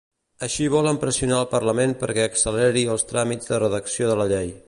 Així volen pressionar al Parlament perquè acceleri els tràmits de redacció de la llei.